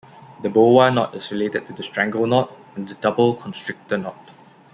The boa knot is related to the strangle knot and the double constrictor knot.